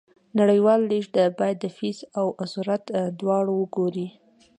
نړیوال لیږد باید د فیس او سرعت دواړه وګوري.